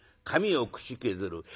髪をくしけずる。